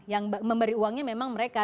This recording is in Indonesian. yang memberi uangnya memang mereka